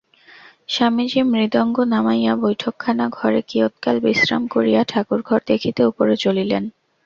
স্বামীজী মৃদঙ্গ নামাইয়া বৈঠকখানা-ঘরে কিয়ৎকাল বিশ্রাম করিয়া ঠাকুরঘর দেখিতে উপরে চলিলেন।